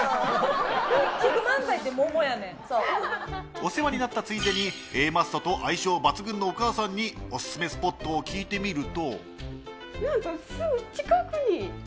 お世話になったついでにＡマッソと相性抜群のお母さんにオススメスポットを聞いてみると。